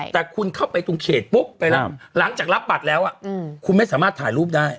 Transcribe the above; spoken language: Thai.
แต่คุณเข้าไปตรงเขตปุ๊บไปรับหลังจากรับบัตรแล้วคุณไม่สามารถถ่ายรูปได้